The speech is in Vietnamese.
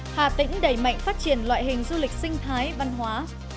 hà tĩnh đầy mạnh phát triển loại hình du lịch sinh thái văn hóa